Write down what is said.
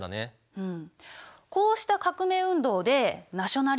うん。